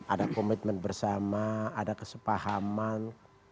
ada komitmen bersama ada kesepahaman